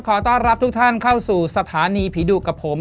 ขอต้อนรับทุกท่านเข้าสู่สถานีผีดุกับผม